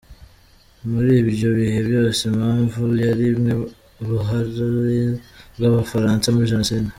Muri ibyo bihe byose impamvu yari imwe: uruhari rw’abafaransa muri jenoside.